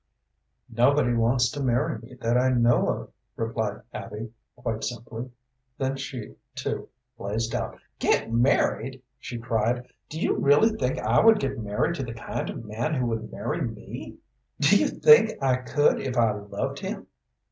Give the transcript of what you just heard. "Nobody wants to marry me that I know of," replied Abby, quite simply. Then she, too, blazed out. "Get married!" she cried. "Do you really think I would get married to the kind of man who would marry me? Do you think I could if I loved him?"